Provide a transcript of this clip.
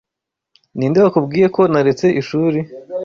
Ninde wakubwiye ko naretse ishuri.